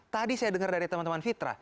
tadi saya dengar dari teman teman fitra